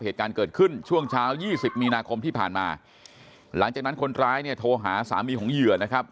เหตุการณ์เกิดขึ้นช่วงเช้ายี่สิบมีนาคมที่ผ่านมาหลังจากนั้นคนร้ายเนี่ยโทรหาสามีของเหยื่อนะครับ